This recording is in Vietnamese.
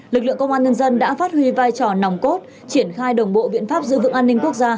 lực lượng công an nhân dân đã phát huy vai trò nòng cốt triển khai đồng bộ biện pháp giữ vững an ninh quốc gia